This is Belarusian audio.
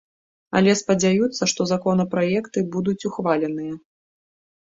Але спадзяюцца, што законапраекты будуць ухваленыя.